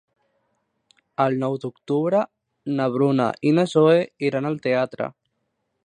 El nou d'octubre na Bruna i na Zoè iran al teatre.